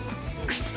クソ！